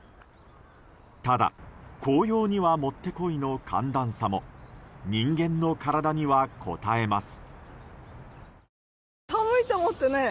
ただ、紅葉にはもってこいの寒暖差も人間の体にはこたえます。